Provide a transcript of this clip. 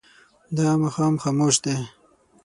دا ماښام خاموش دی.